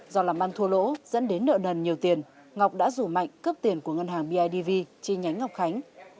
do làm ăn thua lỗ dẫn đến nợ nần nhiều tiền ngọc đã rủ mạnh cướp tiền của ngân hàng bidv chi nhánh ngọc khánh